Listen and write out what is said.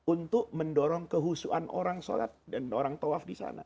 untuk mendorong kehusuan orang sholat dan orang tawaf di sana